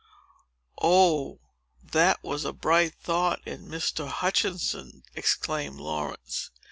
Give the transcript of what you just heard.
"Oh, that was a bright thought in Mr. Hutchinson!" exclaimed Laurence.